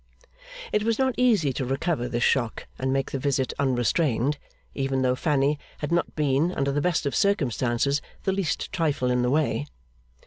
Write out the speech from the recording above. It was not easy to recover this shock and make the visit unrestrained, even though Fanny had not been, under the best of circumstances, the least trifle in the way.